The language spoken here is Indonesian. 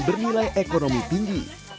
bernilai ekonomi tinggi